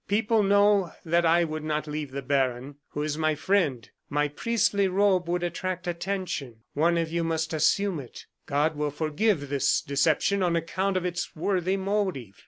People know that I would not leave the baron, who is my friend; my priestly robe would attract attention; one of you must assume it. God will forgive this deception on account of its worthy motive."